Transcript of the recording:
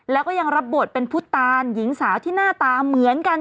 แล้วก็ยังรับบทเป็นพุทธตานหญิงสาวที่หน้าตาเหมือนกัน